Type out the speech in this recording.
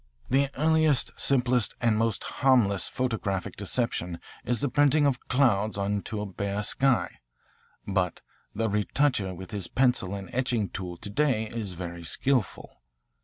The earliest, simplest, and most harmless photographic deception is the printing of clouds into a bare sky. But the retoucher with his pencil and etching tool to day is very skilful.